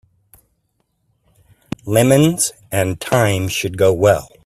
Lemons and thyme should go well.